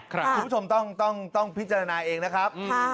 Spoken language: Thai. คุณผู้ชมต้องพิจารณาเองนะครับ